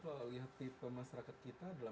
kalau lihat tipe masyarakat kita